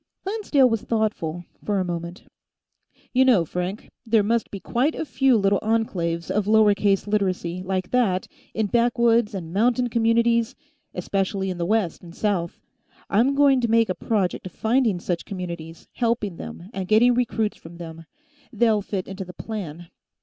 Lancedale was thoughtful, for a moment. "You know, Frank, there must be quite a few little enclaves of lower case literacy like that, in back woods and mountain communities, especially in the west and the south. I'm going to make a project of finding such communities, helping them, and getting recruits from them. They'll fit into the Plan.